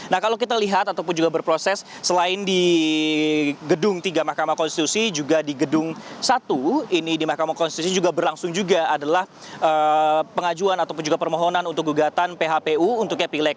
nah kalau kita lihat ataupun juga berproses selain di gedung tiga mahkamah konstitusi juga di gedung satu ini di mahkamah konstitusi juga berlangsung juga adalah pengajuan ataupun juga permohonan untuk gugatan phpu untuk pilek